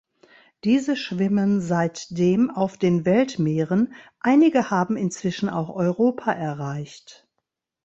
Diese schwimmen seitdem auf den Weltmeeren, einige haben inzwischen auch Europa erreicht.